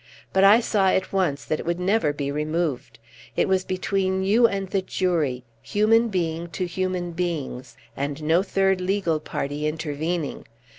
But I saw at once that it would never be removed. It was between you and the jury human being to human beings and no third legal party intervening.